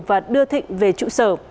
và đưa thịnh về trụ sở